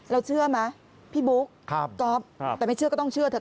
เชื่อไหมพี่บุ๊คก๊อฟแต่ไม่เชื่อก็ต้องเชื่อเถอ